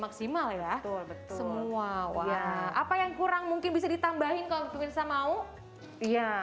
maksimal ya betul betul semua wah apa yang kurang mungkin bisa ditambahin kalau pemirsa mau iya